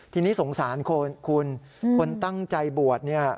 ทีนี้สงสารคนคุณคนตั้งใจบวชเนี่ย